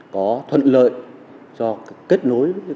có thuận lợi cho kết nối